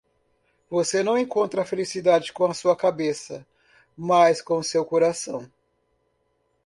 Você não encontra felicidade com sua cabeça, mas com seu coração.